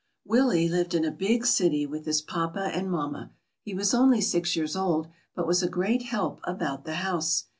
Willie lived in a big city with his papa and mamma. He was only six years old, but was a great help about the house.